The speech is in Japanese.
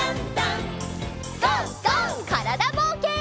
からだぼうけん。